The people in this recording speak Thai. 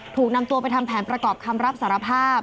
ถูกนำตัวไปทำแผนประกอบคำรับสารภาพ